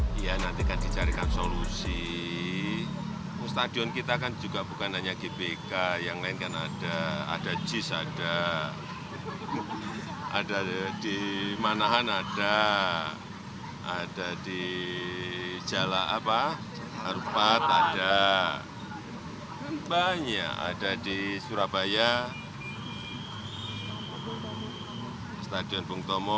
banyak ada di surabaya stadion bung tomo ada juga stadion kita ini banyak yang sudah siap